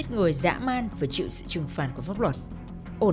với quyết tâm phá án